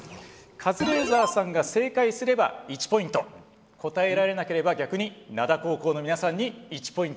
カズレーザーさんが正解すれば１ポイント答えられなければ逆に灘高校の皆さんに１ポイントが入ります。